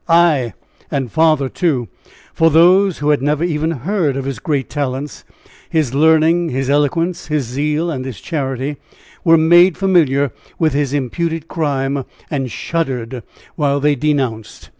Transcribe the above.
Ay, and farther, too! for those who had never even heard of his great talents, his learning, his eloquence, his zeal and his charity, were made familiar with his imputed crime and shuddered while they denounced.